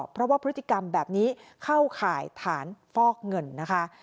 เพราะว่าพฤติกรรมแบบนี้เข้าข่ายฐานฟอกเงินนะคะ